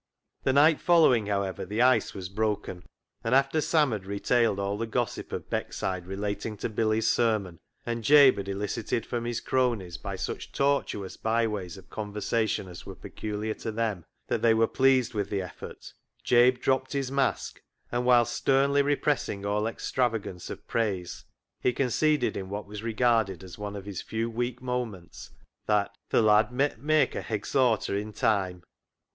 The night following, however, the ice was broken, and after Sam had retailed all the gossip of Beckside relating to Billy's sermon, and Jabe had elicited from his cronies by such tortuous byways of conversation as were peculiar to them that they were pleased with the effort, Jabe dropped his mask, and whilst sternly repressing all extravagance of praise, he conceded in what was regarded as one of his few weak moments that " Th' lad met [might] mak' a hexhorter i' time."